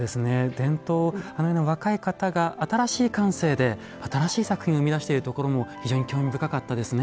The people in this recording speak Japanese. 伝統あのような若い方が新しい感性で新しい作品を生み出しているところも非常に興味深かったですね。